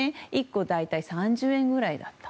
１個大体３０円ぐらいだった。